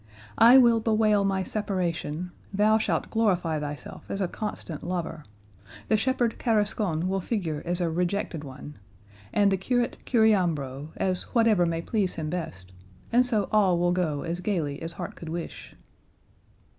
I will bewail my separation; thou shalt glorify thyself as a constant lover; the shepherd Carrascon will figure as a rejected one, and the curate Curiambro as whatever may please him best; and so all will go as gaily as heart could wish."